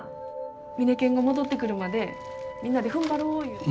ミネケンが戻ってくるまでみんなでふんばろういうて。